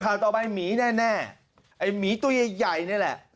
ข่าวต่อไปหมีแน่ไอ้หมีตัวใหญ่ใหญ่นี่แหละ